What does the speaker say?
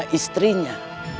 di rumah istrinya